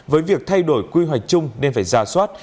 với việc thay đổi quy hoạch chung nên phải ra soát